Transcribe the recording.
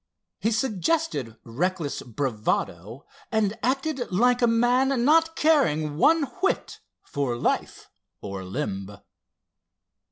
He suggested reckless bravado, and acted like a man not caring one whit for life or limb.